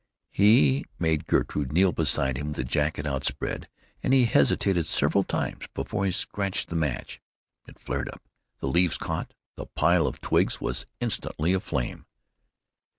He made Gertie kneel beside him with the jacket outspread, and he hesitated several times before he scratched the match. It flared up; the leaves caught; the pile of twigs was instantly aflame.